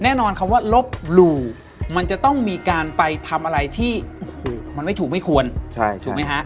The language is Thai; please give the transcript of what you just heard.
แน่นอนคำว่าลบหลู่มันจะต้องมีการไปทำอะไรที่มันไม่ถูกไม่ควรถูกไหมฮะ